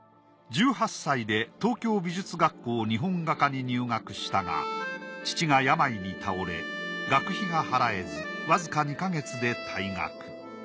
１８歳で東京美術学校日本画科に入学したが父が病に倒れ学費が払えずわずか２ヶ月で退学。